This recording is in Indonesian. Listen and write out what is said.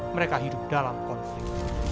mereka hidup dalam konflik